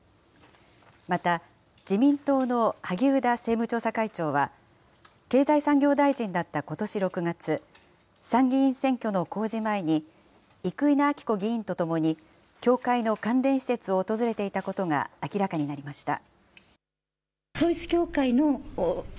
また、自民党の萩生田政務調査会長は、経済産業大臣だったことし６月、参議院選挙の公示前に、生稲晃子議員と共に教会の関連施設を訪れていたことが明らかになりました。